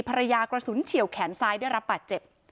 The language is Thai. พระยากระสุนเฉี่ยวแขนซ้ายได้รับปัจจิต